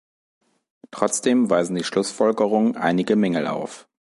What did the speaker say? Trotzdem weisen die Schlussfolgerungen einige Mängel auf.